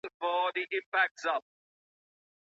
په لاس لیکلنه د خپل ځان سره د خبرو کولو یو ډول دی.